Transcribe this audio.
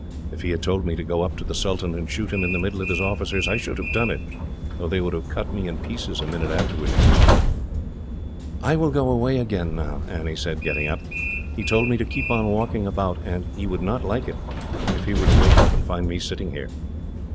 If he had told me to go up to the sultan and shoot him, in the middle of his officers, I should have done it, though they would have cut me in pieces a minute afterwards." "I will go away again, now," Annie said, getting up. "He told me to keep on walking about, and he would not like it if he were to wake up and find me sitting here."